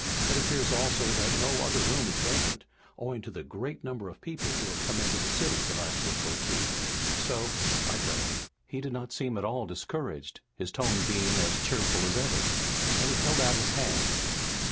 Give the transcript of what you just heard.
It appears also that no other room is vacant, owing to the great number of people who have come into the city in the last week or two. So, I go." He did not seem at all discouraged, his tone being as cheerful as ever, and he held out his hand.